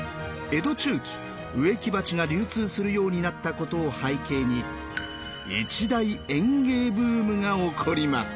江戸中期植木鉢が流通するようになったことを背景に一大園芸ブームが起こります。